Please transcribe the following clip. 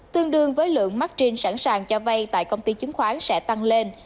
tương đương với lượng martin sẵn sàng cho vay tại công ty chứng khoán sẽ tăng lên